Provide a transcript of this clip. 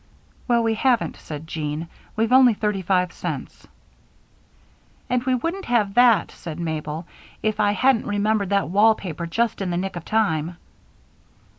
"Well, we haven't," said Jean. "We've only thirty five cents." "And we wouldn't have had that," said Mabel, "if I hadn't remembered that wall paper just in the nick of time."